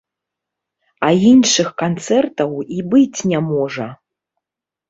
А іншых канцэртаў і быць не можа!